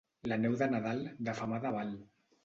La neu de Nadal de femada val.